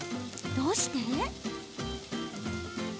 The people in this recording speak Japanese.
どうして？